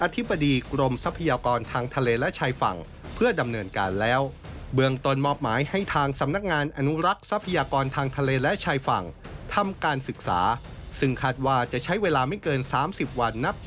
อธิบดีกลมทางทะเลและชายฝั่งเพื่อดำเนินการแล้ว